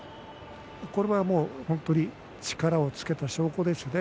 これはもう本当に力をつけた証拠ですね。